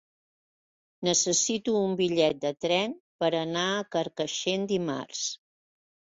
Necessito un bitllet de tren per anar a Carcaixent dimarts.